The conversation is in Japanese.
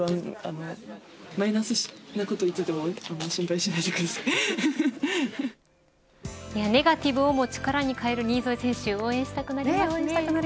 マイナスなこと言っててもあんまネガティブをも力に変える新添選手応援したくなりました。